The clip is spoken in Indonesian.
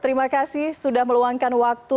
terima kasih sudah meluangkan waktu